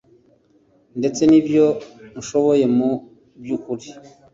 ndetse n'ibyo nshoboye mu by'ukuri